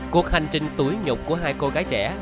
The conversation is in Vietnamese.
cuộc hành trình tuổi nhục của hai cô gái trẻ